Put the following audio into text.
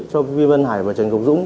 cho vi văn hải và trần ngọc dũng